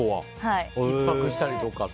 １泊したりとか？